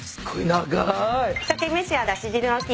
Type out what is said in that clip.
長い。